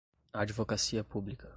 Advocacia Pública